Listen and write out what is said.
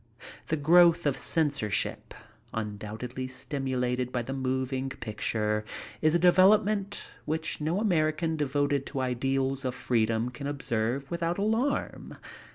The growth of censorship, undoubtedly stimulated by the moving picture, is a development which no American devoted to ideals of freedom can observe without alarm.